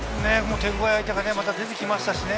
手ごわい相手が出てきましたしね。